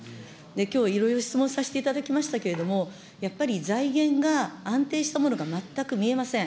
きょういろいろ質問させていただきましたけれども、やっぱり財源が安定したものが全く見えません。